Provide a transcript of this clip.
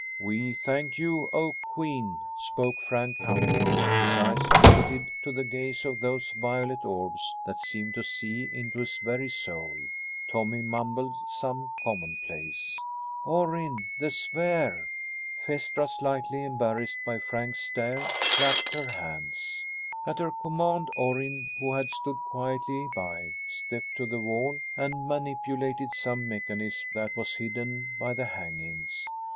"We thank you, oh, Queen," spoke Frank humbly, his eyes rivetted to the gaze of those violet orbs that seemed to see into his very soul. Tommy mumbled some commonplace. "Orrin the sphere!" Phaestra, slightly embarrassed by Frank's stare, clapped her hands. At her command, Orrin, who had stood quietly by, stepped to the wall and manipulated some mechanism that was hidden by the hangings.